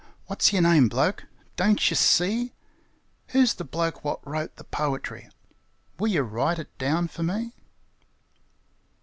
What's yer name, bloke! Don't yer see? 'Who's the bloke what wrote the po'try? Will yer write it down fer me?